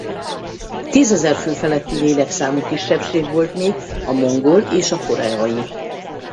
Tízezer fő feletti lélekszámú kisebbség volt még a mongol és a koreai.